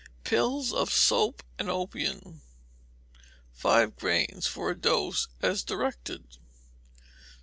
Pills of soap and opium, five grains for a dose, as directed.